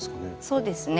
そうですね。